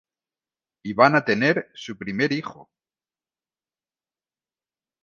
Y van a tener su primer hijo.